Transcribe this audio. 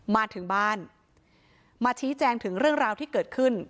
มาถึงบ้านมาชี้แจงถึงเรื่องราวที่เกิดขึ้น